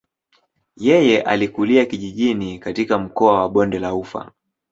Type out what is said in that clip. Yeye alikulia kijijini katika mkoa wa bonde la ufa.